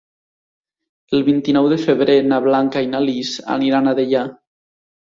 El vint-i-nou de febrer na Blanca i na Lis aniran a Deià.